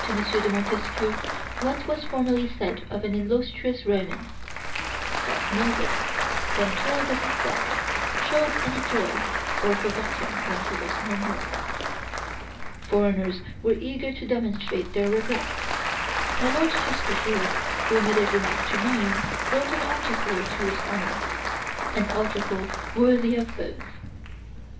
de Montesquieu what was formerly said of an illustrious Roman: that nobody, when told of his death, showed any joy or forgot him when he was no more. Foreigners were eager to demonstrate their regrets: my Lord Chesterfield, whom it is enough to name, wrote an article to his honor an article worthy of both.